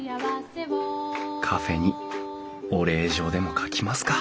カフェにお礼状でも書きますか！